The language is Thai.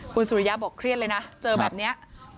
คุณสุริยะบอกเครียดเลยนะเจอแบบนี้